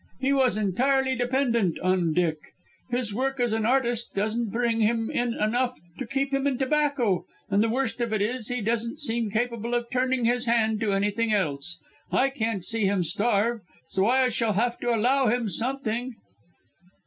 He was entirely dependent on Dick. His work as an artist doesn't bring him in enough to keep him in tobacco, and the worst of it is he doesn't seem capable of turning his hand to anything else; I can't see him starve, so I shall have to allow him something."